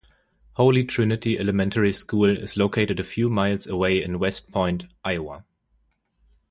Holy Trinity Elementary School is located a few miles away in West Point, Iowa.